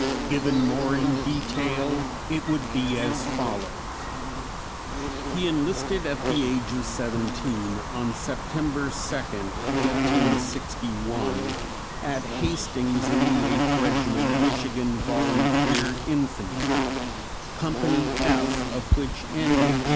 Given more in detail it would be as follows: He enlisted at the age of seventeen, on September 2, 1861, at Hastings in the Eighth Regiment Michigan Volunteer Infantry; Company F of which N. H.